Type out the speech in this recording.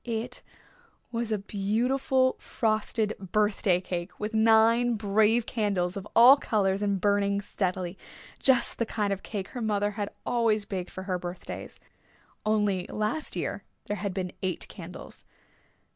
It was a beautiful frosted birthday cake with nine brave candles of all colors and burning steadily, just the kind of cake her mother had always baked for her birthdays. Only last year there had been eight candles.